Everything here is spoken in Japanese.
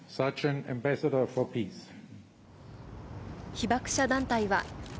被爆者団体は。